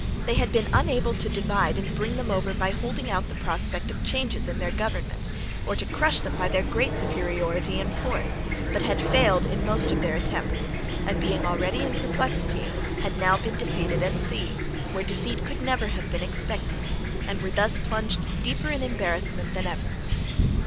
They had been unable to divide and bring them over by holding out the prospect of changes in their governments, or to crush them by their great superiority in force, but had failed in most of their attempts, and being already in perplexity, had now been defeated at sea, where defeat could never have been expected, and were thus plunged deeper in embarrassment than ever.